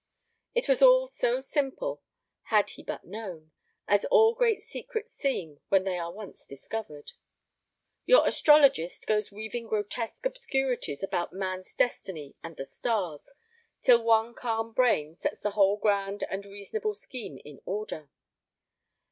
It was all so simple, had he but known, as all great secrets seem when they are once discovered. Your astrologist goes weaving grotesque obscurities about man's destiny and the stars, till one calm brain sets the whole grand and reasonable scheme in order.